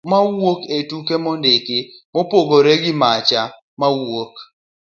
wuoyo mawuok e tuke mondiki, mopogore gi macha mawuok